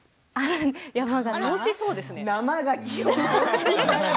楽しそうですね。